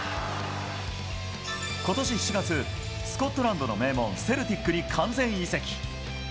今年７月、スコットランドの名門セルティックに完全移籍。